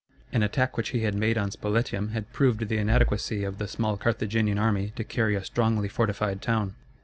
An attack which he had made on Spoletium had proved the inadequacy of the small Carthaginian army to carry a strongly fortified town.